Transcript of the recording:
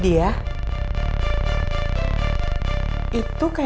itu kayak mobilnya pak alex